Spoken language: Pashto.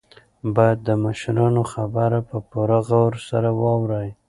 باید د مشرانو خبره په پوره غور سره واورئ.